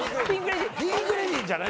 ピンク・レディーじゃない？